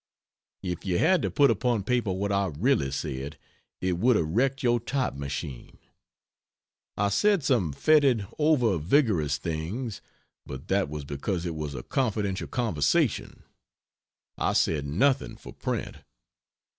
If you had put upon paper what I really said it would have wrecked your type machine. I said some fetid, over vigorous things, but that was because it was a confidential conversation. I said nothing for print.